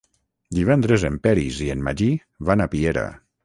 Divendres en Peris i en Magí van a Piera.